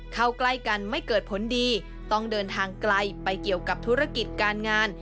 เข้าใกล้กันไม่เกิดผลดีต้องเดินทางไกลไปเกี่ยวกับธุรกิจการงาน